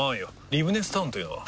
リブネスタウンというのは？